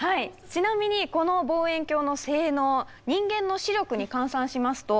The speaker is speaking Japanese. ちなみにこの望遠鏡の性能人間の視力に換算しますと６，０００。